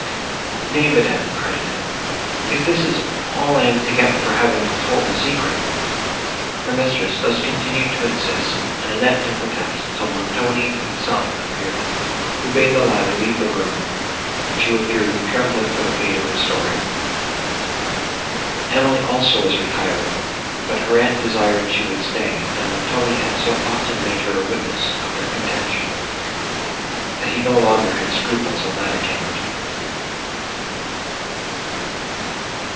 "Nay, madam," cried Annette, "if this is all I am to get for having told the secret—" Her mistress thus continued to insist, and Annette to protest, till Montoni, himself, appeared, who bade the latter leave the room, and she withdrew, trembling for the fate of her story. Emily also was retiring, but her aunt desired she would stay; and Montoni had so often made her a witness of their contention, that he no longer had scruples on that account.